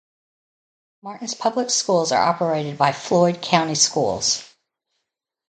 Martin's public schools are operated by Floyd County Schools.